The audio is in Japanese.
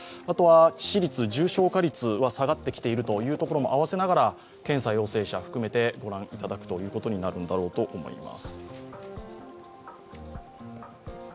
致死率、重症化率は下がってきているところもあわせながら検査陽性者含めて御覧いただくことになるんだろうと思います。